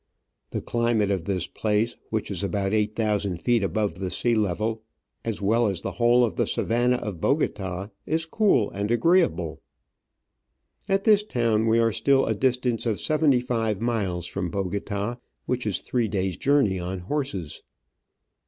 The climate of this place, which is about eight thousand feet above the sea level, as well as the whole of the savanna of Bogota, is cool and Digitized by VjOOQIC 124 Travels and Adventures agreeable, At this town we are still a distance of seventy five miles from Bogota, which is three days' • journey on horses.